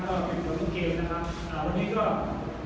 อาจจะญิงกว่าเบนเบอร์โอเค